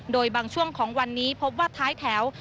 โดยบางช่วงของวันนี้พบว่าท้ายแถว